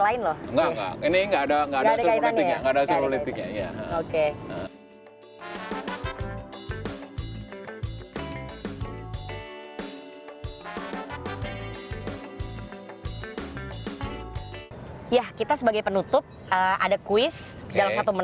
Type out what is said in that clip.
lain loh enggak enggak ini enggak ada enggak ada sebuah politiknya enggak ada sebuah politiknya ya oke